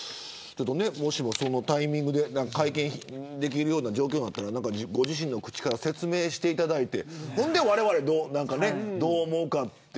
もしも、そのタイミングで会見できるような状況になったらご自身の口から説明していただいてわれわれが、どう思うかという。